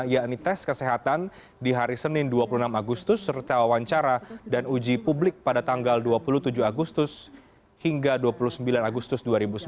yakni tes kesehatan di hari senin dua puluh enam agustus serta wawancara dan uji publik pada tanggal dua puluh tujuh agustus hingga dua puluh sembilan agustus dua ribu sembilan belas